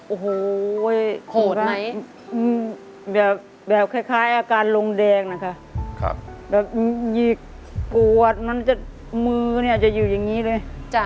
โอ้โหแบบคล้ายอาการลงแดงนะคะแบบหยิกปวดมันจะมือเนี่ยจะอยู่อย่างนี้เลย